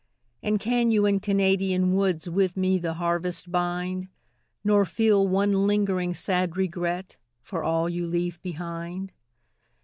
And can you in Canadian woods With me the harvest bind, Nor feel one lingering, sad regret For all you leave behind?